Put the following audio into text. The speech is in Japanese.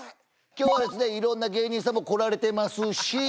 今日はですね色んな芸人さんも来られてますし。